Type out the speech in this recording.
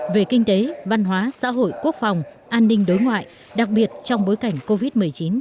về kinh tế văn hóa xã hội quốc phòng an ninh đối ngoại đặc biệt trong bối cảnh covid một mươi chín